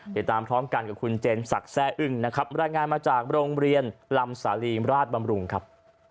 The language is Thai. เดี๋ยวตามพร้อมกันกับคุณเจนศักดิ์แซ่อึ้งนะครับรายงานมาจากโรงเรียนลำสาลีมราชบำรุงครับ